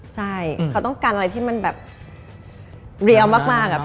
ใช่เขาต้องการอะไรที่มันแบบเรียวมาก